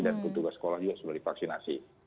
dan petugas sekolah juga sudah divaksinasi